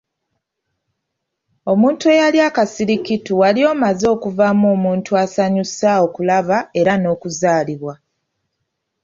Omuntu eyali akasirikitu wali omaze okuvaamu omuntu asanyusa okulaba era n'ozaalibwa.